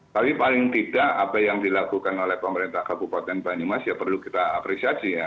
tapi paling tidak apa yang dilakukan oleh pemerintah kabupaten banyumas ya perlu kita apresiasi ya